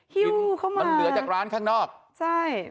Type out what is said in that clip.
หิ้วเข้ามาใช่